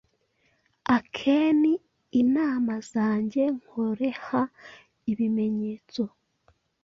Akenhi inama zanjye nkoreha ibimenyeto